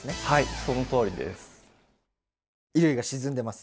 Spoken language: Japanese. はい。